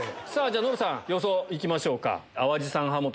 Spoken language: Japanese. じゃノブさん予想行きましょうか。